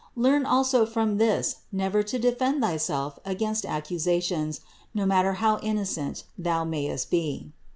Learn also from this never to de fend thyself against accusations, no matter how innocent thou mayest be.